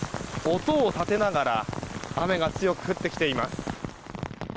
音を立てながら雨が強く降ってきています。